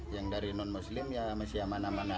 yang dari non muslim ya masih aman aman